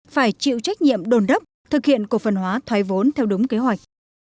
phải chịu trách nhiệm đồn đốc thực hiện cổ phần hóa thoái vốn theo đúng kế hoạch